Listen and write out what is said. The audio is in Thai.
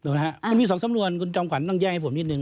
มันมีสองสำนวนคุณจอมขวัญต้องแย่งให้ผมนิดนึ